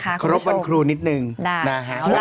เขาไม่โชคกันครูนิดหนึ่งนะครับครับ